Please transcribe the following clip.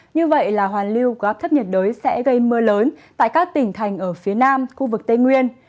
như vậy là hoàn lưu của áp thấp nhiệt đới sẽ gây mưa lớn tại các tỉnh thành ở phía nam khu vực tây nguyên